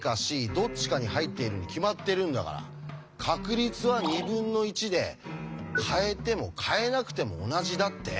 どっちかに入っているに決まってるんだから確率は２分の１で変えても変えなくても同じだって？